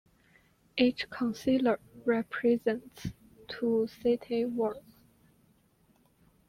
Each councillor represents two city wards.